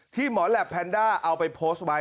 หมอแหลปแพนด้าเอาไปโพสต์ไว้